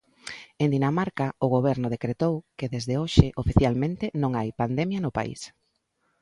En Dinamarca, o Goberno decretou que desde hoxe, oficialmente, non hai pandemia no país.